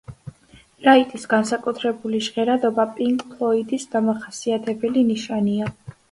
რაიტის განსაკუთრებული ჟღერადობა პინკ ფლოიდის დამახასიათებელი ნიშანია.